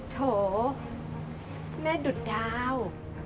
โถแม่ดุดดาว